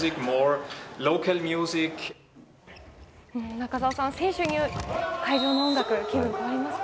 中澤さん選手にとって会場の音楽で気分は変わりますか？